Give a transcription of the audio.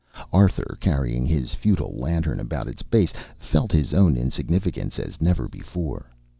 Arthur, carrying his futile lantern about its base, felt his own insignificance as never before.